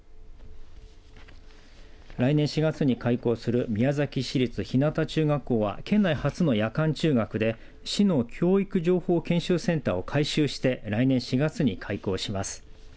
来年４月に開校する宮崎市立ひなた中学校は県内初の夜間中学で市の教育情報研修センターを改修して来年４月に開校します。